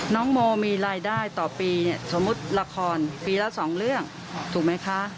น้องโมมีรายได้ต่อปีเนี่ยสมมุติละครปีละ๒เรื่องถูกไหมคะ